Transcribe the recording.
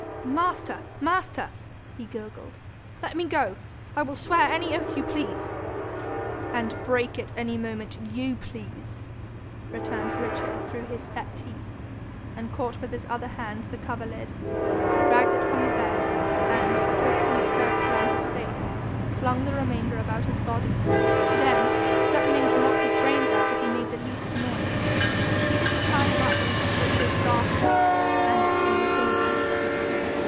'Master, master!' he gurgled, 'let me go. I will swear any oath you please ' 'And break it any moment YOU please,' returned Richard through his set teeth, and caught with his other hand the coverlid, dragged it from the bed, and, twisting it first round his face, flung the remainder about his body; then, threatening to knock his brains out if he made the least noise, proceeded to tie him up in it with his garters and its own corners.